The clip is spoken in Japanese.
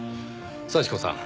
幸子さん